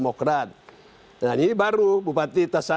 ukuran ini sebagai